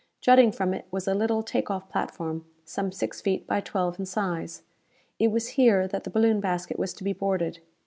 Jutting from it was a little take off platform some six feet by twelve in size. It was here that the balloon basket was to be boarded.